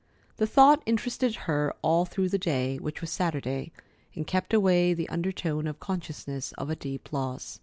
This thought interested her all through the day, which was Saturday, and kept away the undertone of consciousness of a deep loss.